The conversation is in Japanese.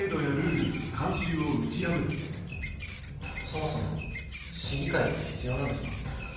そもそも市議会って必要なんですか？